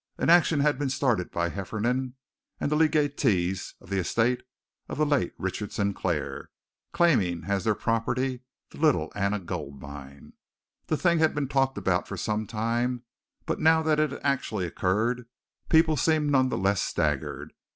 An action had been started by Hefferom, and the legatees of the estate of the late Richard Sinclair, claiming as their property the Little Anna Gold Mine. The thing had been talked about for some time, but now that it had actually occurred, people seemed none the less staggered.